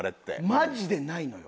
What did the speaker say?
マジでないのよ。